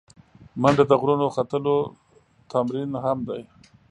منډه د غرونو ختلو تمرین هم دی